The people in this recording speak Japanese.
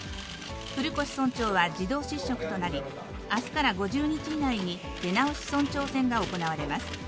古越村長は自動失職となり、あすから５０日以内に出直し村長選が行われます。